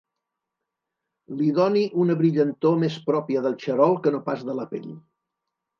Li doni una brillantor més pròpia del xarol que no pas de la pell.